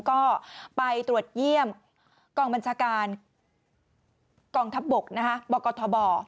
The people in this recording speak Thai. ก็ไปตรวจเยี่ยมกองบัญชาการกองทัพบกบกทบ